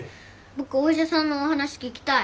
僕お医者さんのお話聞きたい。